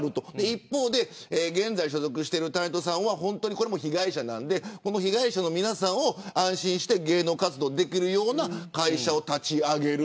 一方で所属しているタレントさんは被害者なので皆さんが安心して芸能活動できるような会社を立ち上げる。